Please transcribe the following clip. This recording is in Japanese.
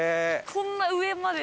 こんな上まで。